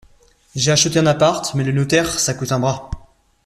J'ai acheté un appart, mais le notaire ça coûte un bras.